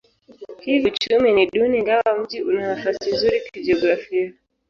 Hivyo hali ya uchumi ni duni ingawa mji una nafasi nzuri kijiografia.